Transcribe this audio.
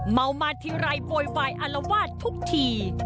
เมามาทีไรโวยวายอารวาสทุกที